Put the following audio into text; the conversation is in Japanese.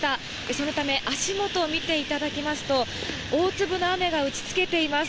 そのため足元を見ていただきますと大粒の雨が打ち付けています。